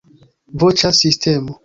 Voĉa sistemo.